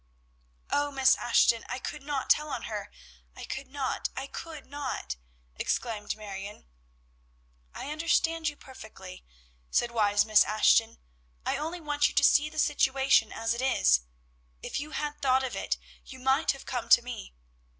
"O Miss Ashton! I could not tell on her; I could not, I could not!" exclaimed Marion. "I understand you perfectly," said wise Miss Ashton; "I only want you to see the situation as it is. If you had thought of it, you might have come to me.